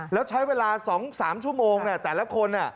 แล้วใช้เวลา๒๓ชั่วโมงแต่ละคน